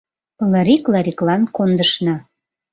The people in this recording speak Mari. Лырик-Лариклан кондышна.